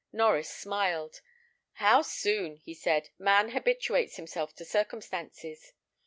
Norries smiled. "How soon," he said, "man habituates himself to circumstances.